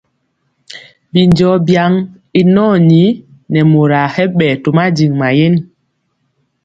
Binjɔɔ byaŋ i nɔɔni nɛ moraa hɛ ɓɛɛ to madiŋ mayen.